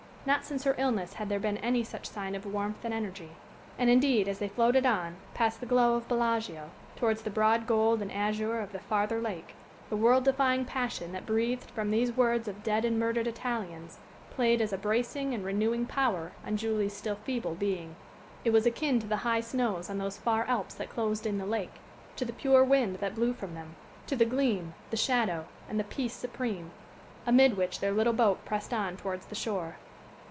Not since her illness had there been any such sign of warmth and energy. And, indeed, as they floated on, past the glow of Bellaggio, towards the broad gold and azure of the farther lake, the world defying passion that breathed from these words of dead and murdered Italians played as a bracing and renewing power on Julie's still feeble being. It was akin to the high snows on those far Alps that closed in the lake to the pure wind that blew from them to the "gleam, the shadow, and the peace supreme," amid which their little boat pressed on towards the shore.